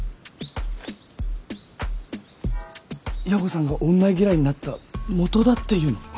弥五さんが女嫌いになったもとだっていうの？